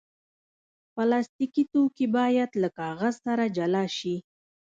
پلاستيکي توکي باید له کاغذ سره جلا شي.